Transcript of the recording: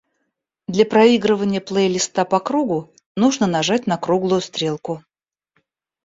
Для проигрывания плейлиста по кругу, нужно нажать на круглую стрелку.